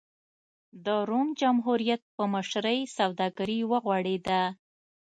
د روم جمهوریت په مشرۍ سوداګري وغوړېده.